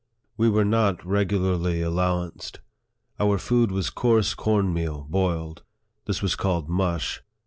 We were not regularly allowanced. Our food was coarse corn meal boiled. This was called mush.